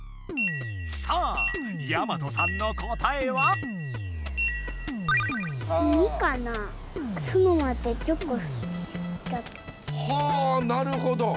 さあやまとさんの答えは？はあなるほど。